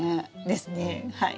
ですね。